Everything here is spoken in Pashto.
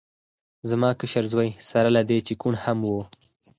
زما کشر زوی سره له دې چې کوڼ هم و